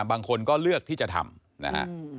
บางคนก็เลือกที่จะทำนะฮะ